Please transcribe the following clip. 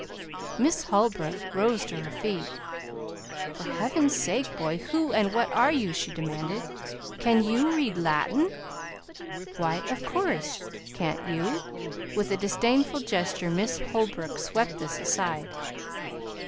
Miss Holbrook rose to her feet. "For Heaven's sake, boy, who, and what are you?" she demanded. "Can YOU read Latin?" "Why, of course! Can't you?" With a disdainful gesture Miss Holbrook swept this aside.